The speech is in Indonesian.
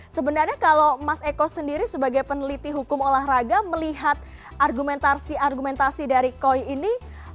sebenarnya kalau mas eko sendiri sebagai peneliti hukum olahraga melihat argumentasi argumentasi dari koi ini